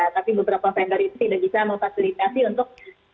tapi beberapa vendor itu tidak bisa memfasilitasi untuk